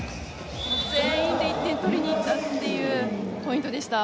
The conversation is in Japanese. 全員で１点を取りにいったというポイントでした。